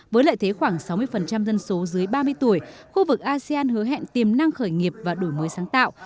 với lợi thế khoảng sáu mươi dân số dưới ba mươi tuổi khu vực asean hứa hẹn tiềm năng khởi nghiệp và đổi mới sáng tạo